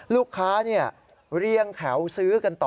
ลูกค้าเรียงแถวซื้อกันต่อ